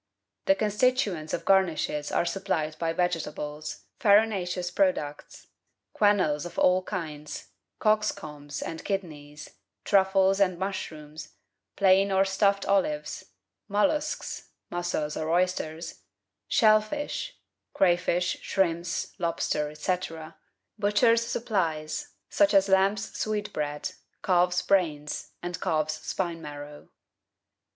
The constituents of garnishes are supplied by vegetables, farinaceous products, quenelles of all kinds, cocks' combs and kidneys, truffles and mushrooms, plain or stuffed olives, mol luscs (mussels or oysters), shell fish (crayfish, shrimps, lobster, &c.), butcher's supplies, such as lamb's sweet bread, calf's brains, and calf's spine marrow.